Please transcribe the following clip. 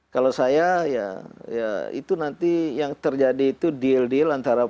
kalau saya ya itu nanti yang terjadi itu deal deal antara